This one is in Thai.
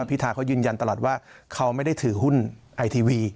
พิธาเขายืนยันตลอดว่าเขาไม่ได้ถือหุ้นไอทีวี